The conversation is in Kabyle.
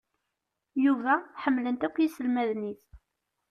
Yuba, ḥemmlen-t akk yiselmaden-is